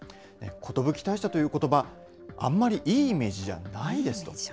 寿退社ということば、あんまりいいイメージじゃないですと。